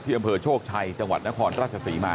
อำเภอโชคชัยจังหวัดนครราชศรีมา